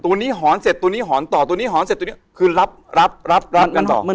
ตัวนี้หอนเสร็จตัวนี้หอนต่อตัวนี้หอนเสร็จตัวนี้